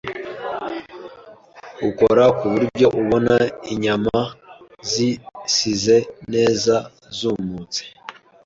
ukora ku buryo ubona inyama zisize neza zumutse